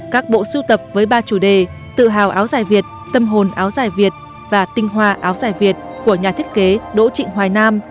các bộ sưu tập với ba chủ đề tự hào áo dài việt tâm hồn áo dài việt và tinh hoa áo dài việt của nhà thiết kế đỗ trịnh hoài nam